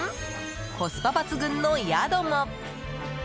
コスパ抜群の宿も。